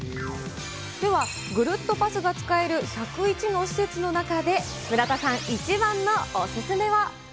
では、ぐるっとパスが使える１０１の施設の中で、村田さん一番のお勧めは。